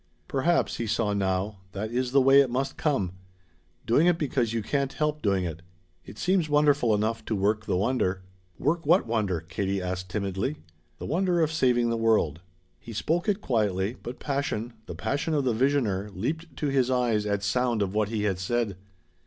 "Perhaps," he saw now, "that is the way it must come. Doing it because you can't help doing it. It seems wonderful enough to work the wonder." "Work what wonder?" Katie asked timidly. "The wonder of saving the world." He spoke it quietly, but passion, the passion of the visioner, leaped to his eyes at sound of what he had said.